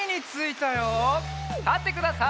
たってください。